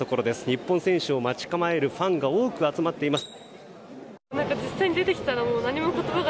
日本選手を待ち構えるファンが多く集まっています。